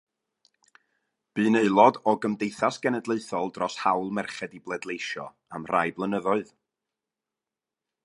Bu'n aelod o Gymdeithas Genedlaethol dros Hawl Merched i Bleidleisio am rai blynyddoedd.